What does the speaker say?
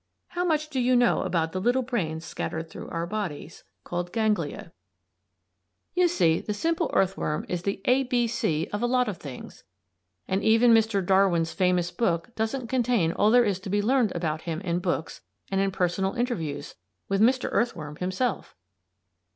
How much do you know about the little brains scattered through our bodies (Ganglia)? You see the simple earthworm is the A, B, C of a lot of things; and even Mr. Darwin's famous book doesn't contain all there is to be learned about him in books and in personal interviews with Mr. Earthworm himself.